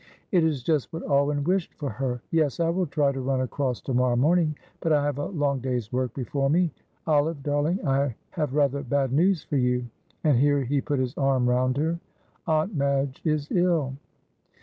"It is just what Alwyn wished for her. Yes, I will try to run across to morrow morning, but I have a long day's work before me. Olive, darling, I have rather bad news for you," and here he put his arm round her. "Aunt Madge is ill."